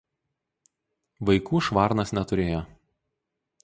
Vaikų Švarnas neturėjo.